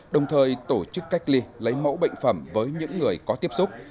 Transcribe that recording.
đồng thời tổ chức cách ly lấy mẫu bệnh phẩm với những người có tiếp xúc